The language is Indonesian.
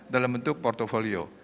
dalam bentuk portfolio